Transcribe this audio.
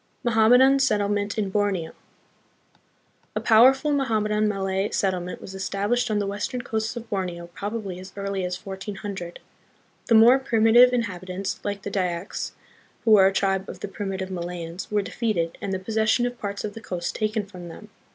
Mohammedan Settlement in Borneo. A powerful Mohammedan Malay settlement was established on the western coasts of Borneo probably as early as 1400. The more primitive inhabitants, like the Dyaks, who were a tribe of the primitive Malayans, were defeated, and the possession of parts of the coast taken from them.